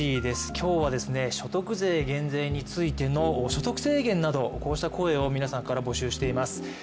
今日は所得税減税についての所得制限など、こうした声を皆さんから募集しています。